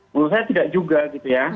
menurut saya tidak juga gitu ya